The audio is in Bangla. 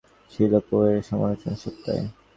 সাংবাদিকতা পেশার গভীর প্রভাব ছিল পো-এর সমালোচনা-সত্তায়।